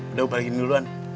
udah balikin duluan